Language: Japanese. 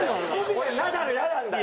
俺ナダルイヤなんだよ！